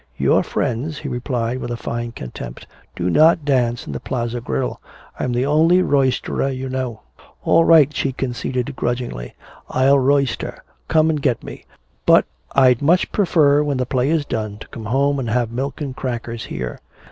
"Your friends," he replied with a fine contempt, "do not dance in the Plaza Grill. I'm the only roisterer you know." "All right," she conceded grudgingly, "I'll roister. Come and get me. But I'd much prefer when the play is done to come home and have milk and crackers here."